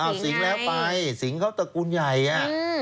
เอาสิงห์แล้วไปสิงเขาตระกูลใหญ่อ่ะ